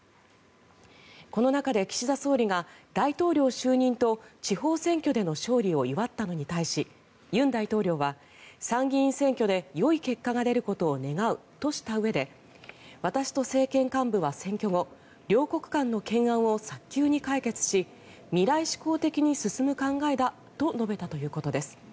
この中で岸田総理が大統領就任と地方選挙での勝利を祝ったのに対し尹大統領は、参議院選挙でよい結果が出ることを願うとしたうえで私と政権幹部は選挙後両国間の懸案を早急に解決し未来志向的に進む考えだと述べたということです。